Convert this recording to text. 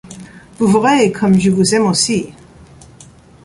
Vous verrez comme je vous aime aussi.